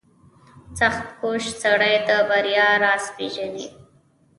• سختکوش سړی د بریا راز پېژني.